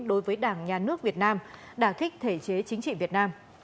đối với đảng nhà nước việt nam đà kích thể chế chính trị việt nam